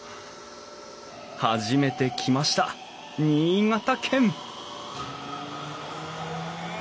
初めて来ました新潟県！